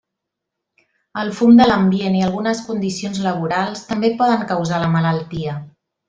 El fum de l'ambient i algunes condicions laborals també poden causar la malaltia.